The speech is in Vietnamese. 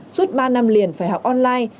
suốt ba năm liền phải học online